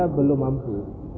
kita belum mampu